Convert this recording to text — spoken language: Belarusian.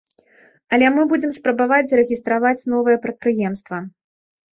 Але мы будзем спрабаваць зарэгістраваць новае прадпрыемства.